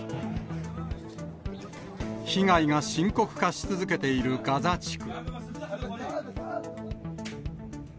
被害が深刻化し続けているガザ地区。